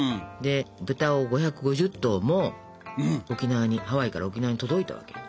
豚を５５０頭も沖縄にハワイから沖縄に届いたわけ。